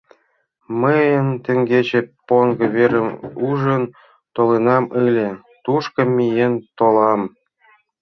Мый теҥгече поҥго верым ужын толынам ыле, тушко миен толам.